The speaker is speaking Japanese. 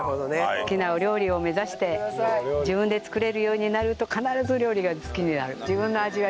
好きなお料理を目指して自分で作れるようになると必ずお料理が好きになる。